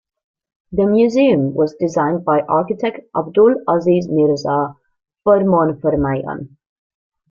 The museum was designed by architect Abdol-Aziz Mirza Farmanfarmaian.